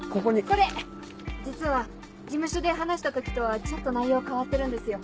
これ実は事務所で話した時とはちょっと内容変わってるんですよ。